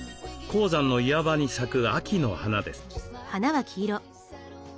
高山の岩場に咲く秋の花です。